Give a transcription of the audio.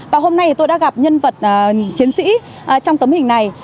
và hôm nay tôi đã gặp nhân vật chiến sĩ trong tấm hình này